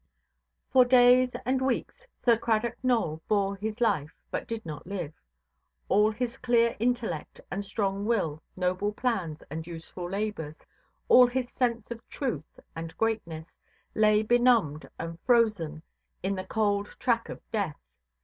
For days and weeks Sir Cradock Nowell bore his life, but did not live. All his clear intellect and strong will, noble plans, and useful labours, all his sense of truth and greatness, lay benumbed and frozen in the cold track of death.